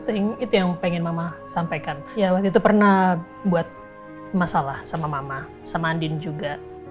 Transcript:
thing itu yang pengen mama sampaikan ya waktu itu pernah buat masalah sama mama sama andin juga